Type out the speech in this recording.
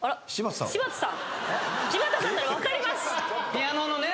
ピアノのね。